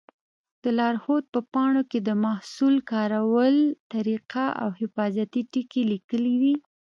د لارښود په پاڼو کې د محصول کارولو طریقه او حفاظتي ټکي لیکلي وي.